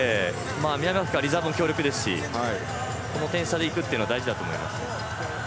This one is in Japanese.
南アフリカはリザーブも強力ですしこの点差でいくというのは大事だと思います。